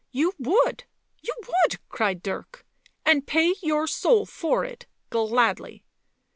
u You would ! you would i" cried Dirk. " And pay your soul for it — gladly."